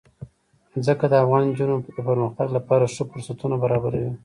ځمکه د افغان نجونو د پرمختګ لپاره ښه فرصتونه برابروي.